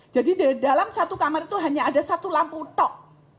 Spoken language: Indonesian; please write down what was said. jadi di dalam satu kamar itu hanya ada satu lampu tok